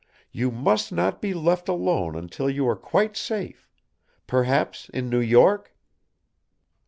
You must not be left alone until you are quite safe; perhaps in New York?"